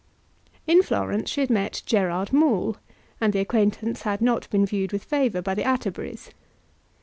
In Florence she had met Gerard Maule, and the acquaintance had not been viewed with favour by the Atterburys.